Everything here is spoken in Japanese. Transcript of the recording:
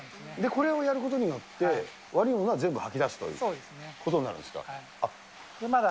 これをやることによって、悪いものを全部吐き出すということなんですが。